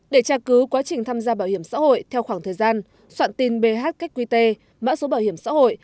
để tra cứu quá trình tham gia bảo hiểm xã hội theo khoảng thời gian soạn tin bh qqt mã số bảo hiểm xã hội